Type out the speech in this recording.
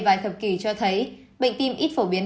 vài thập kỷ cho thấy bệnh tim ít phổ biến